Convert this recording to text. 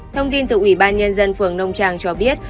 thông tin từ ủy ban nhân dân phường nông trang cho biết